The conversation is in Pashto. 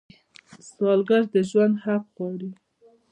سوالګر د ژوند حق غواړي